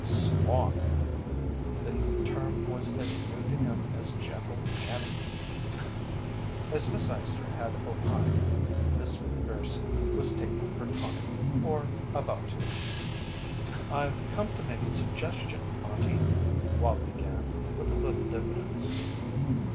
"Squaw man" the term was as new to him as "Gentle Annie." As Miss Eyester had opined, Miss Macpherson was taking her tonic, or about to. "I've come to make a suggestion, Auntie," Wallie began, with a little diffidence.